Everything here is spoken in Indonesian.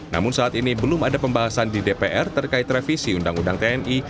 namun saat ini belum ada pembahasan di dpr terkait revisi undang undang tni